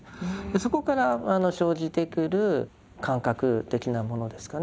そこから生じてくる感覚的なものですかね